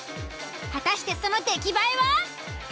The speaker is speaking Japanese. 果たしてその出来栄えは！？